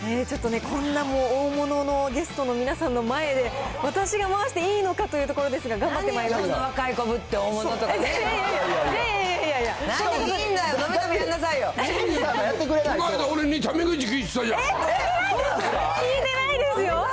ちょっとね、こんなもう、大物のゲストの皆さんの前で、私が回していいのかというところですが、何を若い子ぶって、いやいやいや。